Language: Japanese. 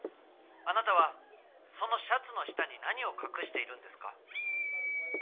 あなたはそのシャツの下に何を隠しているんですか？